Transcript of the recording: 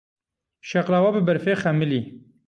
Şeqlawa bi berfê xemilî.